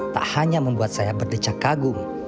tak hanya membuat saya berdecak kagum